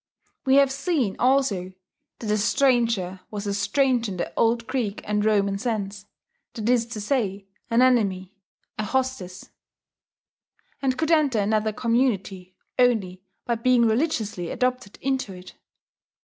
We have seen also that the stranger was a stranger in the old Greek and Roman sense, that is to say an enemy, a hostis, and could enter another community only by being religiously adopted into it.